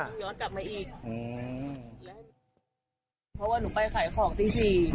ย้อนกลับมาอีกเพราะว่าหนูไปขายของตีสี่